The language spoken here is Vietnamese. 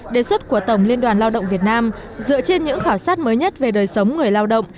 đề xuất của tổng liên đoàn lao động việt nam dựa trên những khảo sát mới nhất về đời sống người lao động